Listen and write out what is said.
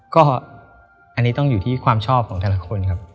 ก็อันนี้ต้องอยู่ที่ความชอบของแต่ละคนครับ